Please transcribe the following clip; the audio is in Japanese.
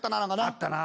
あったな。